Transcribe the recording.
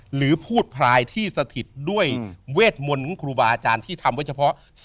หรือพูดพลายที่สถิตด้วยเวทมนต์ของครูบาอาจารย์ที่ทำไว้เฉพาะ